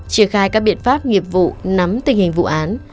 triển khai các biện pháp nghiệp vụ nắm tình hình vụ án